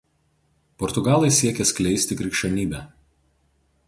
Portugalai siekė skleisti krikščionybę.